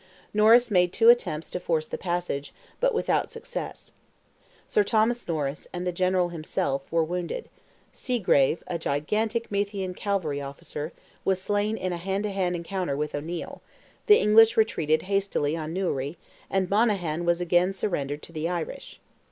Norris made two attempts to force the passage, but without success. Sir Thomas Norris, and the general himself, were wounded; Seagrave, a gigantic Meathian cavalry officer, was slain in a hand to hand encounter with O'Neil; the English retreated hastily on Newry, and Monaghan was again surrendered to the Irish.